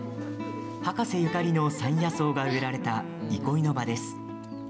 博士ゆかりの山野草が植えられた憩いの場です。